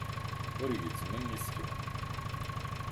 Ur gezzmen isekla.